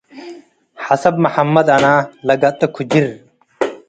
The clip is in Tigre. ሐሰብ መሐመድ አነ ለገጡ ኩጅር፡